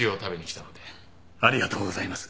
ありがとうございます。